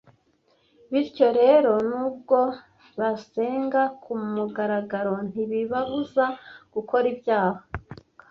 Bityo rero, nubwo basenga ku mugaragaro ntibibabuza gukora ibyaha